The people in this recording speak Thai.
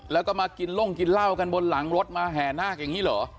แล้วก็มากินล่งกินเหล้ากันบนหลังรถมาแห่นาคอย่างนี้เหรอ